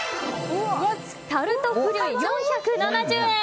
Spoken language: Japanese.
タルトフリュイ、４７０円。